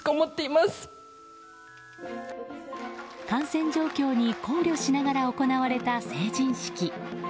感染状況に考慮しながら行われた成人式。